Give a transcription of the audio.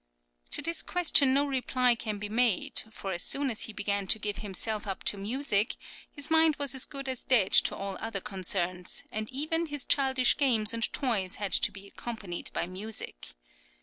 To this question no reply can be made, for as soon as he began to give himself up to music, his mind was as good as dead to all other concerns,[10031] and even his childish games and toys had to be accompanied by music.